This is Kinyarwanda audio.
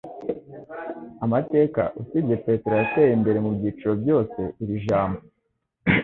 Amateka usibye, Petero yateye imbere mubyiciro byose iri jambo